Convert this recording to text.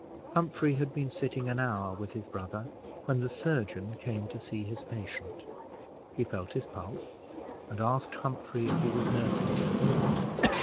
Humphrey had been sitting an hour with his brother, when the surgeon came to see his patient. He felt his pulse, and asked Humphrey if he was nursing him.